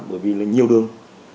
bởi vì là nhiều đường